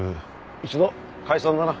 一度解散だな。